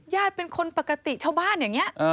ญาติเป็นคนปกติชาวบ้านอย่างนี้